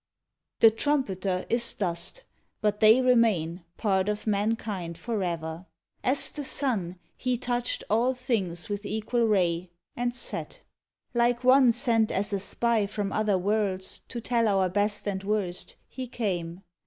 The Trumpeter is dust, but they remain Part of mankind forever. As the sun He touched all things with equal ray, and set. Like one sent as a spy from other worlds, To tell our best and worst, he came.